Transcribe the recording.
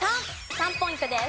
３ポイントです。